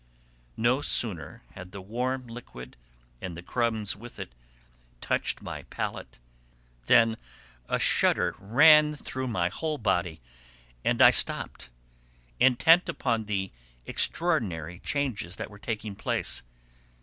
No sooner had the warm liquid, and the crumbs with it, touched my palate than a shudder ran through my whole body, and I stopped, intent upon the extraordinary changes that were taking place.